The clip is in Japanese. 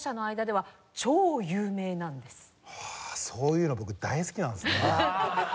はあそういうの僕大好きなんですよね。